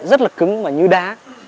rất là cứng và như đá